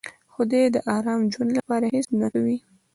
دوی د ارام ژوند لپاره هېڅ نه کوي.